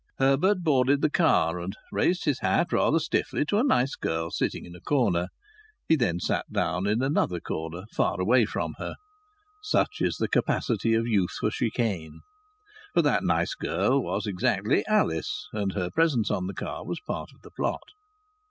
Herbert boarded the car, and raised his hat rather stiffly to a nice girl sitting in a corner. He then sat down in another corner, far away from her. Such is the capacity of youth for chicane! For that nice girl was exactly Alice, and her presence on the car was part of the plot.